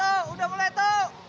dito udah mulai dito